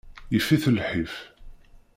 Yif-it lḥif.